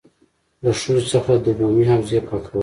له ښځو څخه د عمومي حوزې پاکول.